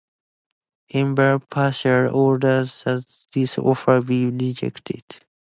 Enver Pasha ordered that this offer be rejected.